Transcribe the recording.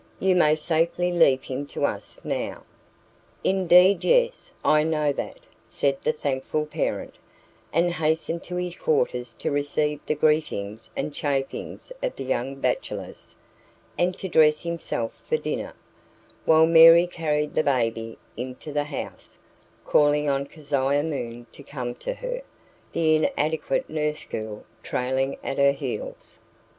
You may safely leave him to us now." "Indeed, yes, I know that," said the thankful parent, and hastened to his new quarters to receive the greetings and chaffings of the young bachelors, and to dress himself for dinner, while Mary carried the baby into the house, calling on Keziah Moon to come to her, the inadequate nurse girl trailing at her heels.